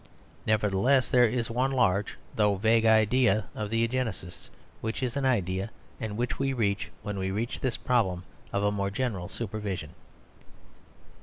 Nevertheless, there is one large, though vague, idea of the Eugenists, which is an idea, and which we reach when we reach this problem of a more general supervision.